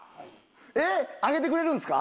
えっ揚げてくれるんですか？